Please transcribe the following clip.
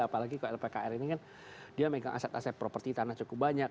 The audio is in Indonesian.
apalagi kalau lpkr ini kan dia megang aset aset properti tanah cukup banyak